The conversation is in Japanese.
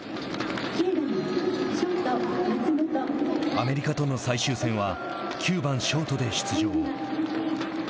アメリカとの最終戦は９番ショートで出場。